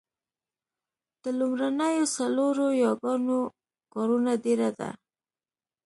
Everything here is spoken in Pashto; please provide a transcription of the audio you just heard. د لومړنیو څلورو یاګانو کارونه ډېره ده